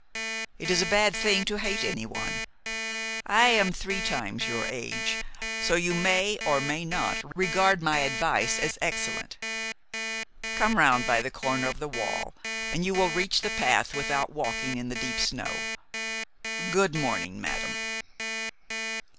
"It is a bad thing to hate anyone. I am three times your age; so you may, or may not, regard my advice as excellent. Come round by the corner of the wall, and you will reach the path without walking in the deep snow. Good morning, madam."